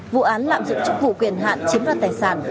vụ án lạm dụng chức vụ quyền hạn chiếm đoạt tài sản